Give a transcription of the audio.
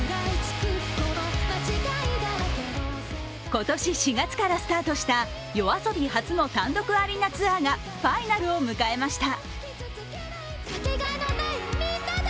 今年４月からスタートしたＹＯＡＳＯＢＩ初の単独アリーナツアーがファイナルを迎えました。